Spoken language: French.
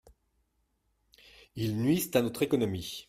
Ils nuisent à notre économie.